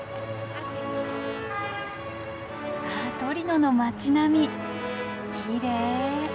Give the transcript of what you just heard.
あっトリノの町並みきれい。